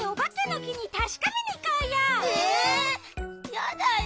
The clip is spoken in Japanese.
やだよ。